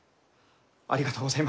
ありがとうございます。